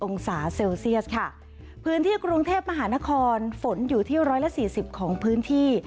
องศาเซลเซียสค่ะพื้นที่กรุงเทพมหานครฝนอยู่ที่ร้อยละสี่สิบของพื้นที่